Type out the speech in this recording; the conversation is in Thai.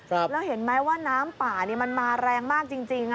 แล้วเห็นไหมว่าน้ำป่านี่มันมาแรงมากจริง